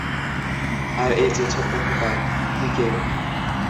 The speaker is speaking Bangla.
আর এইযে, ছোট্ট খোকা, তুই কে?